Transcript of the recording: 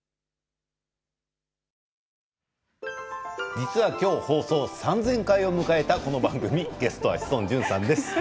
実は今日放送３０００回を迎えたこの番組ゲストは志尊淳さんです。